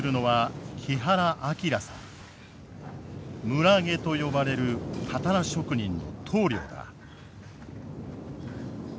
村下と呼ばれるたたら職人の頭領だ。